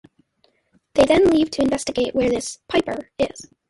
They then leave to investigate where this 'piper' is.